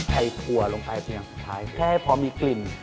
ใส่มันฝรั่งลงไปเอามันฝรั่งนะครับผม